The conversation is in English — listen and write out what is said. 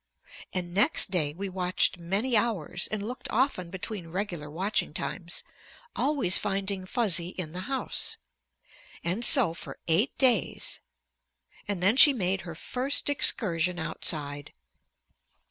And next day we watched many hours and looked often between regular watching times, always finding Fuzzy in the house. And so for eight days. And then she made her first excursion outside.